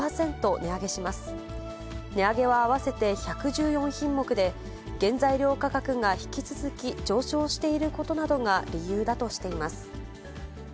値上げは合わせて１１４品目で、原材料価格が引き続き上昇していることなどが理由だとしています。